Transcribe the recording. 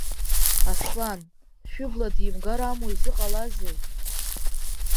Аслан, Шәыбла димгар амуа изыҟалазеи?